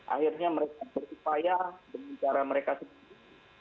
akhirnya mereka berupaya dengan cara mereka sendiri